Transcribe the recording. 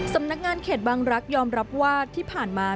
สำนักงานเขตบางรักษ์ยอมรับว่าที่ผ่านมา